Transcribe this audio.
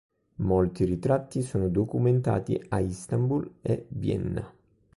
Molti ritratti sono documentati a Istanbul e Vienna.